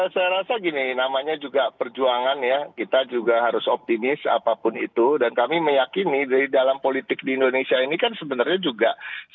saya rasa gini namanya juga perjuangan ya kita juga harus optimis apapun itu dan kami meyakini dari dalam politik di indonesia ini kan sebenarnya juga